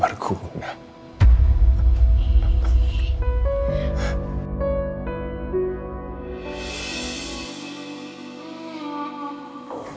aku gak mau ke sana sekarang